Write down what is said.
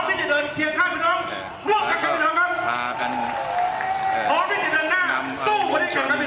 เขียนค่าพี่น้องร่วมกับพี่น้องครับพากันเอ่อนำมันสูงประชุม